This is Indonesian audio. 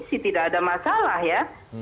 sih tidak ada masalah ya